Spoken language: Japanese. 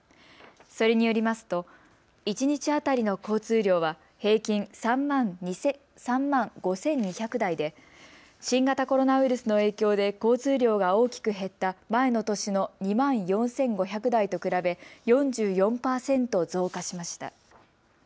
それによりますと一日当たりの交通量は平均３万５２００台で新型コロナウイルスの影響で交通量が大きく減った前の年の２万４５００台と比べ４４％増加しました。